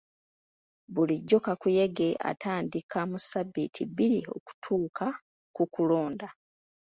Bulijjo kakuyege atandika mu sabbiiti bbiri okutuuka ku kulonda.